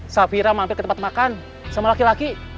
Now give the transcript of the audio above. safira mampir ke tempat makan sama laki laki